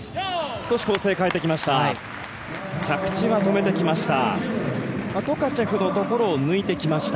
少し構成変えてきました。